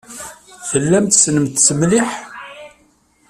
Tellamt tessnemt-t mliḥ?